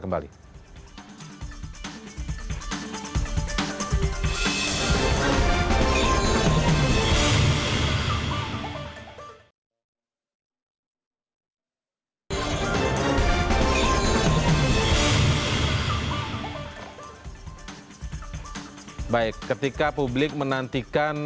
baik ketika publik menantikan